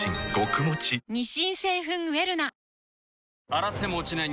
洗っても落ちない